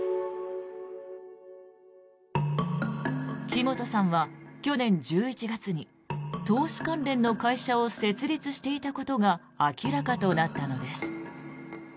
木本さんは去年１１月に投資関連の会社を設立していたことが明らかとなったのです。